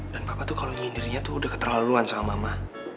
dan papa tuh kalau nyindirnya tuh udah keterlaluan sama mama